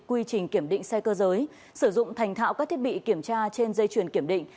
quy trình kiểm định xe cơ giới sử dụng thành thạo các thiết bị kiểm tra trên dây chuyền kiểm định